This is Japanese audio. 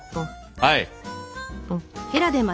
はい。